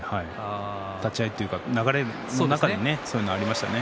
立ち合いというか流れの中でそういうのがありましたよね。